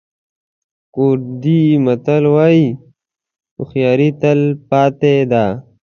کوردي متل وایي هوښیاري تل پاتې ده.